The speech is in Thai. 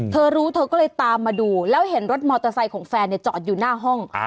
เธอรู้เธอก็เลยตามมาดูแล้วเห็นรถมอเตอร์ไซค์ของแฟนจอดอยู่หน้าห้อง